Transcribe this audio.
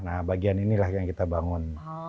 nah bagian inilah yang kita bangun